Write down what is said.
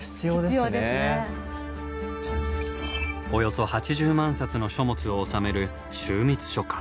およそ８０万冊の書物を収める「集密書架」。